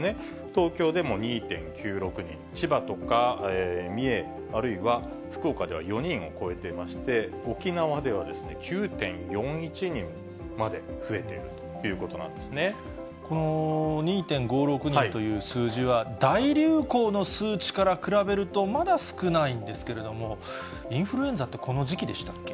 東京でも２．９６人、千葉とか三重、あるいは福岡では４人を超えていまして、沖縄では９．４１人までこの２．５６人という数字は、大流行の数値から比べるとまだ少ないんですけれども、インフルエンザってこの時期でしたっけ？